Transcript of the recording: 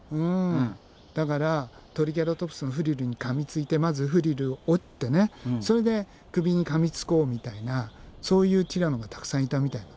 だからトリケラトプスのフリルに噛みついてまずフリルを折ってそれで首に噛みつこうみたいなそういうティラノがたくさんいたみたいなんだよね。